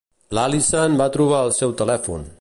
L'Allison va trobar el seu telèfon.